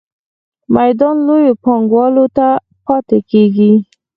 میدان لویو پانګوالو ته پاتې کیږي.